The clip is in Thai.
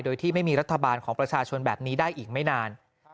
โดยที่ไม่มีรัฐบาลของประชาชนแบบนี้ได้อีกไม่นาน